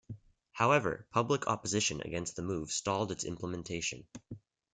However, public opposition against the move stalled its implementation.